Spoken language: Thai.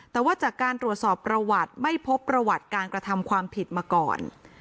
แต่ว่าจากการตรวจสอบประวัติไม่พบประวัติการกระทำความผิดมาก่อน